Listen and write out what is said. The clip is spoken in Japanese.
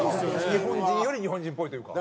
日本人より日本人っぽいというか。